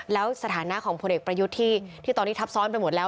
แล้วสถานะของพลเอกประยุทธ์ที่ตอนนี้ทับซ้อนไปหมดแล้ว